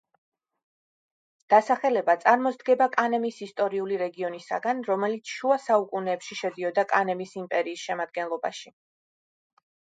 დასახელება წარმოსდგება კანემის ისტორიული რეგიონისაგან, რომელიც შუა საუკუნეებში შედიოდა კანემის იმპერიის შემადგენლობაში.